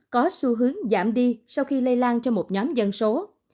có xu hướng giảm đi sau khi lây lan cho một nhóm dân số